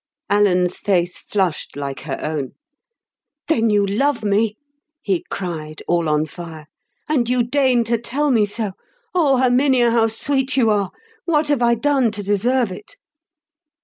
Alan's face flushed like her own. "Then you love me," he cried, all on fire. "And you deign to tell me so; O Herminia, how sweet you are. What have I done to deserve it?"